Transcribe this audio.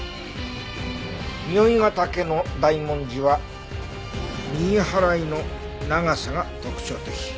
如意ヶ岳の大文字は右はらいの長さが特徴的。